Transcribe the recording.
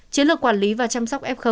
chiến lược quản lý và chăm sóc f